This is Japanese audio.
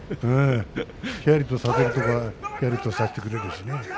ひやりとさせてくれるところはひやりとさせてくれますね。